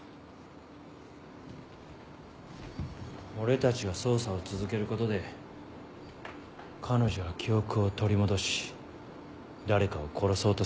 俺たちが捜査を続けることで彼女は記憶を取り戻し誰かを殺そうとするかもしれない。